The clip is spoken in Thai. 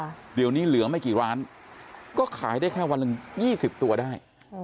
เดี๋ยวนี้เหลือไม่กี่ร้านก็ขายได้แค่วันหนึ่งยี่สิบตัวได้